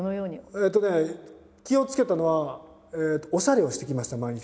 えっとね気をつけたのはおしゃれをして行きました毎日。